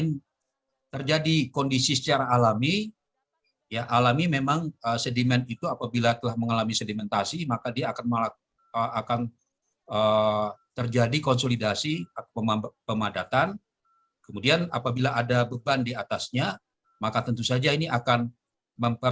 kemudian setelah terjadi penurunan itu saja air laut atau pada saat pasang